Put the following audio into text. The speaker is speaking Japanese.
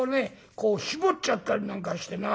こう絞っちゃったりなんかしてな。